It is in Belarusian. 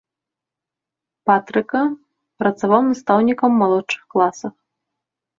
Патрыка, працаваў настаўнікам у малодшых класах.